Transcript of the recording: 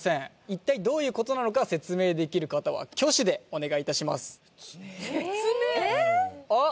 一体どういうことなのか説明できる方は挙手でお願いいたしますあっ